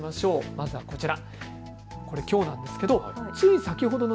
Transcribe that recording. まずはこちら。